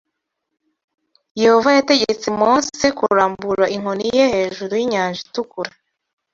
Yehova yategetse Mose kuramburira inkoni ye hejuru y’Inyanja Itukura.